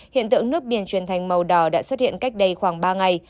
hiện tượng nước biển truyền thành màu đỏ đã xuất hiện cách đây khoảng ba ngày